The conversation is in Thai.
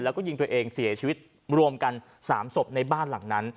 แล้วก็ยิงตัวเองเสียชีวิตรวมกัน๓ศพในบ้านหลังนั้น